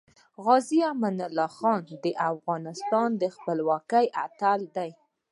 غازې امان الله خان د افغانستان د خپلواکۍ اتل دی .